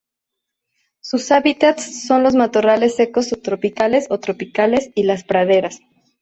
Sus hábitats son los matorrales secos subtropicales o tropicales y las praderas.